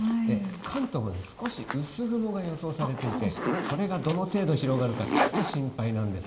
関東は少し薄雲が予想されていて、それがどの程度広がるか、ちょっと心配なんです。